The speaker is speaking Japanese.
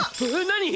何！？